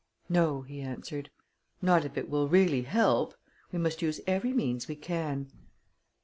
"No," he answered; "not if it will really help; we must use every means we can.